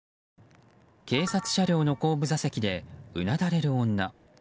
警察車両の後部座席でうなだれる女。